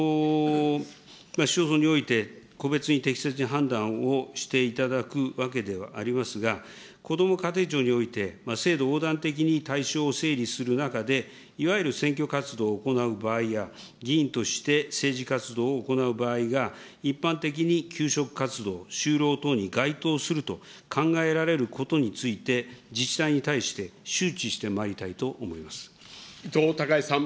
市町村において、個別に適切に判断をしていただくわけではありますが、こども家庭庁において、制度横断的に対象を整理する中で、いわゆる選挙活動を行う場合や、議員として政治活動を行う場合が一般的に求職活動、就労等に該当すると考えられることについて、自治体に対して、周知してまいり伊藤孝恵さん。